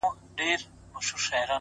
هوډ د نیمګړو لارو بشپړونکی دی.!